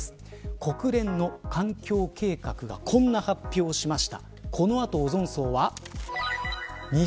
国連の環境計画がこんな発表をしました。